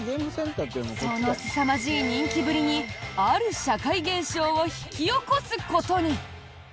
そのすさまじい人気ぶりにある社会現象を引き起こすことに。